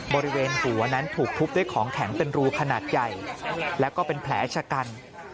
บริเวณหัวนั้นถูกทุบด้วยของแข็งเป็นรูขนาดใหญ่แล้วก็เป็นแผลชะกัน